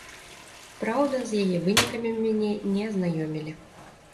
Праўда, з яе вынікамі мяне не азнаёмілі.